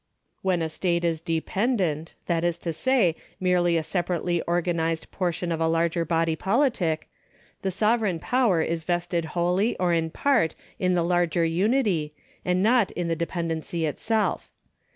When a state is dependent, that is to say, merely a separately organised portion of a larger body politic, the sovereign power is vested wholly or in part in the larger unity, and not in the dependency itself.